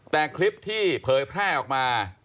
แต่คลิปที่เผยแพร่ออกมา